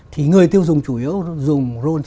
thì người tiêu dùng chủ yếu dùng ron chín mươi hai